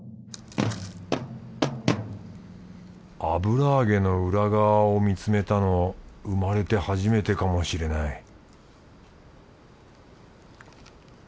油揚げの裏側を見つめたの生まれて初めてかもしれない